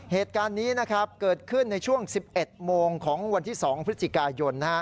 เหตุการณ์นี้เกิดขึ้นในช่วง๑๑โมงของวันที่๒พฤศจิกายน